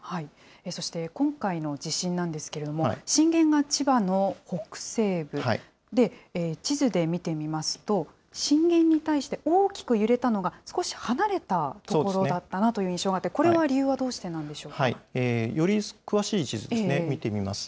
そして今回の地震なんですけれども、震源が千葉の北西部で、地図で見てみますと、震源に対して大きく揺れたのが少し離れた所だったなという印象があって、これは理由はどうしてなんでしょうより詳しい地図ですね、見てみます。